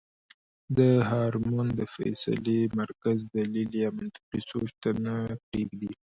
دا هارمون د فېصلې مرکز دليل يا منطقي سوچ ته نۀ پرېږدي -